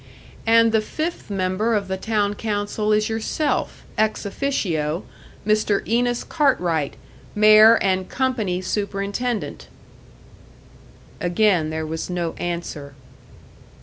"And the fifth member of the town council is yourself, ex officio Mr. Enos Cartwright, mayor and company superintendent." Again there was no answer.